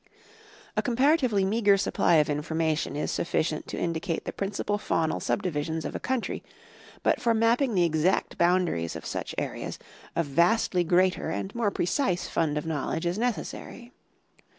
A comparatively meagre supply of information is sufficient to in dicate the principal faunal subdivisions of a country, but for mapping the exact boundaries of such ai'eas a vastly greater and more precise fund of knowledge is necessary.